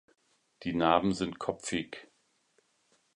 Die Narben sind kopfig.